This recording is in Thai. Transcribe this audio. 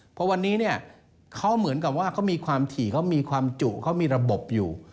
เพราะวันนี้เขาเหมือนกันว่ามีความถี่มีความจุมีระบบอยู่